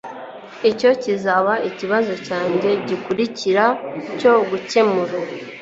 icyo kizaba ikibazo cyanjye gikurikira cyo gukemura